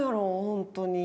本当に。